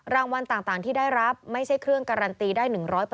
รางวัลต่างที่ได้รับไม่ใช่เครื่องการันตีได้๑๐๐